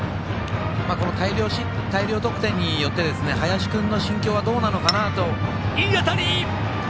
大量得点によって林君の心境はどうかなと。